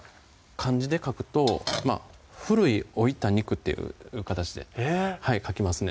漢字で書くとまぁ「古い老いた肉」っていう形でへぇはい書きますね